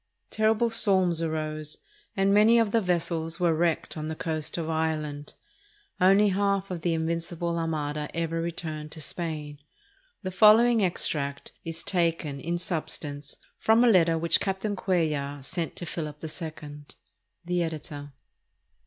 Terrible storms arose, and many of the vessels were wrecked on the coast of Ireland. Only half of the Invincible Armada ever returned to Spain. The following extract is taken, in substance, from a letter which Captain Cuellar sent to Philip 11. The Editor.